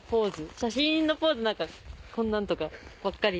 写真のポーズ何かこんなんとかばっかりで。